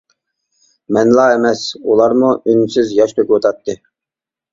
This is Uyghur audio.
مەنلا ئەمەس، ئۇلارمۇ ئۈنسىز ياش تۆكۈۋاتاتتى.